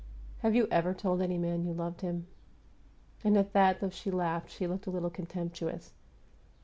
"Have you ever told any man you loved him?" And at that, though she laughed, she looked a little contemptuous.